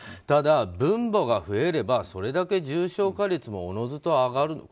ただ分母が増えればそれだけ重症化率もおのずと上がる。